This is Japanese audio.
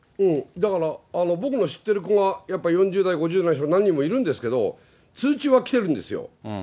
だから、僕の知ってる子が、やっぱ４０代、５０代の子が何人もいるんですけれども、通知は来てるんですよ。